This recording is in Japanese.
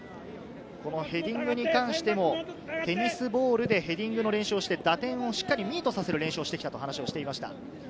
ヘディングに関してもテニスボールでヘディングの練習をして打点をしっかりミートさせる練習をしてきたという話をしていました。